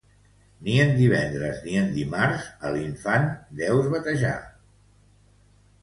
Ni en divendres ni en dimarts a l'infant deus batejar.